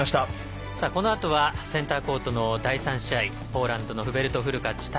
このあとはセンターコートの第３試合ポーランドのフベルト・フルカッチ対